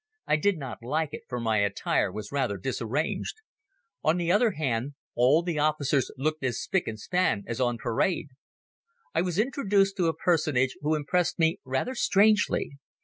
I did not like it, for my attire was rather disarranged. On the other hand, all the officers looked as spic and span as on parade. I was introduced to a personage who impressed me rather strangely.